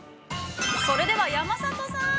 ◆それでは山里さん。